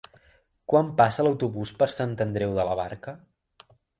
Quan passa l'autobús per Sant Andreu de la Barca?